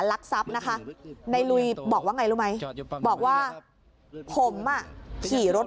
ลักทรัพย์นะคะในลุยบอกว่าไงรู้ไหมบอกว่าผมอ่ะขี่รถ